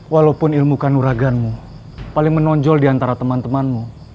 walaupun ilmu kanuraganmu paling menonjol di antara teman temanmu